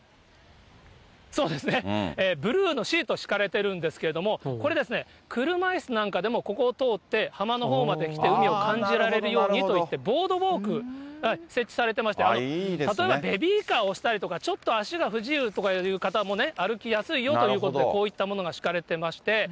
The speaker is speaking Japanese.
そうですね、ブルーのシート敷かれてるんですけれども、これ、車いすなんかでも、ここを通って、浜のほうまで来て海を感じられるようにといって、ボードウォーク、設置されてまして、例えばベビーカー押したりとか、ちょっと足が不自由とかいう方もね、歩きやすいよということで、こういったものが敷かれてまして。